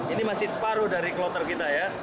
ini masih separuh dari kloter kita ya